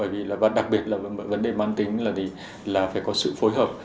và đặc biệt là vấn đề mang tính là phải có sự phối hợp